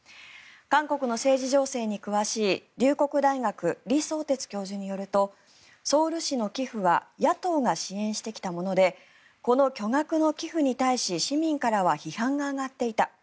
韓国の政治情勢に詳しい龍谷大学、李相哲教授によるとソウル市の寄付は野党が支援してきたものでこの巨額の寄付に対し市民からは批判が上がっていた。